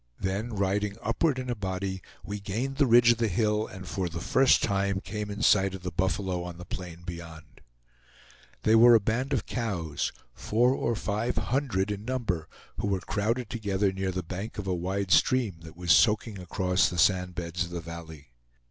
Then riding upward in a body, we gained the ridge of the hill, and for the first time came in sight of the buffalo on the plain beyond. They were a band of cows, four or five hundred in number, who were crowded together near the bank of a wide stream that was soaking across the sand beds of the valley.